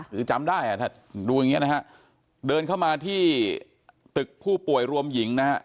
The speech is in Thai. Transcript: คือจำได้ถ้าดูอย่างนี้นะฮะเดินเข้ามาที่ตึกผู้ป่วยรวมหญิงนะฮะ